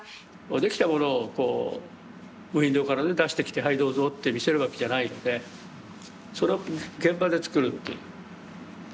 できたものをこうウインドーから出してきてはいどうぞって見せるわけじゃないのでそれを現場でつくるという。